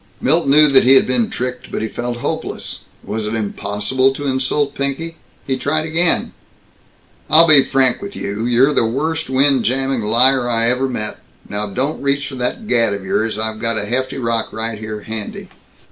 Milt knew that he had been tricked, but he felt hopeless. Was it impossible to insult Pinky? He tried again: "I'll be frank with you. You're the worst wind jamming liar I ever met. Now don't reach for that gat of yours. I've got a hefty rock right here handy."